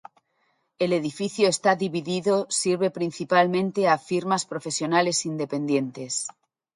El edificio está dividido sirve principalmente a firmas profesionales independientes.